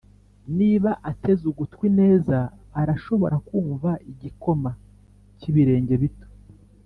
niba ateze ugutwi neza arashobora kumva igikoma cyibirenge bito,